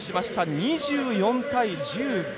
２４対１５。